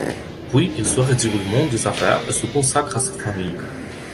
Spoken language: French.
Puis, il se retire du monde des affaires et se consacre à sa famille.